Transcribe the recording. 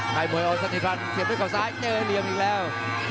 พาบ่อยเอาสนิพันธ์เสียบด้วยก่อซ้ายเจอเหลี่ยมอีกแล้ว